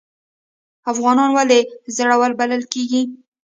افغانان ولې زړور بلل کیږي؟